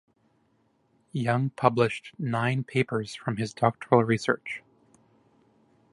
Young published nine papers from his doctoral research.